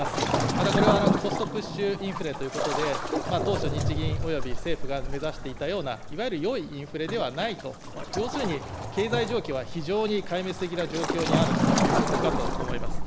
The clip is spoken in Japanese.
またこれはコストプッシュインフレということで、当初、日銀および政府が目指していたような、いわゆるよいインフレではないと、要するに経済状況は非常に壊滅的な状況にあるということかと思います。